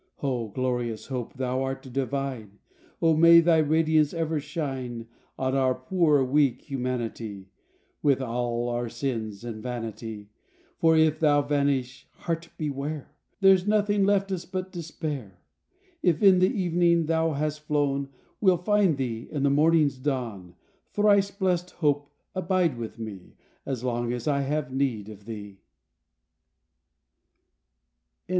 O glorious Hope, thou art divine, O may thy radiance ever shine, On our poor weak humanity, With all our sins and vanity, For if thou vanish, heart beware! There's nothing left us but despair. If in the evening thou hast flown We'll find thee in the morning's dawn, Thrice blessed Hope, abide with me As long as I have need of thee.